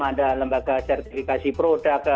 ada lembaga sertifikasi produk